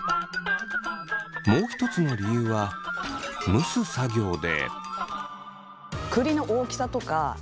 もう一つの理由は蒸す作業で。